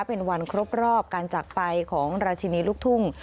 เป็นวันครบรอบการจักรไปของราชินีลูกทุ่ง